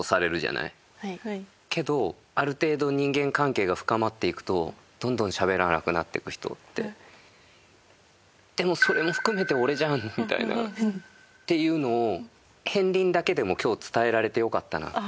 けどある程度人間関係が深まっていくとどんどんしゃべらなくなっていく人ってでもそれも含めて俺じゃん！みたいなっていうのを片鱗だけでも今日伝えられてよかったなと。